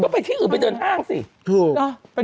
ไปที่อื่นไปเดินห้างสิ